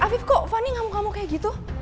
afif kok fani ngamuk ngamuk kayak gitu